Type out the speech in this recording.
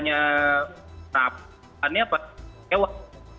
ketika kita mencari uang